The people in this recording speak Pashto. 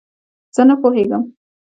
زۀ نۀ پوهېږم.